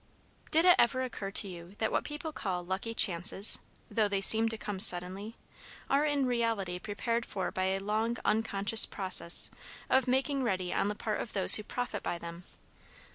Did it ever occur to you that what people call "lucky chances," though they seem to come suddenly, are in reality prepared for by a long unconscious process of making ready on the part of those who profit by them?